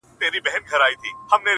ما خو ستا څخه څو ځله اورېدلي٫